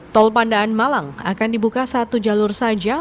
tol pandaan malang akan dibuka satu jalur saja